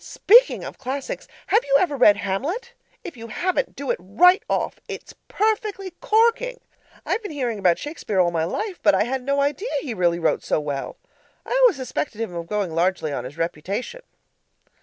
Speaking of classics, have you ever read Hamlet? If you haven't, do it right off. It's PERFECTLY CORKING. I've been hearing about Shakespeare all my life, but I had no idea he really wrote so well; I always suspected him of going largely on his reputation.